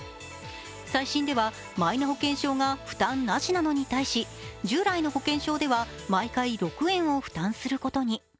再診では、マイナ保険証が負担なしなのに対し従来の保険証では毎回６円を負担することに。